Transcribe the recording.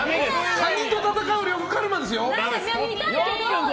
カニと戦う呂布カルマですよ。